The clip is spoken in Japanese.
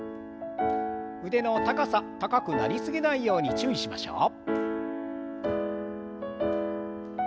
腕の高さ高くなりすぎないように注意しましょう。